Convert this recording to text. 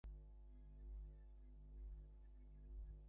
ক্রমাগত পরিবর্তন! কোন কিছুই স্থির নয়।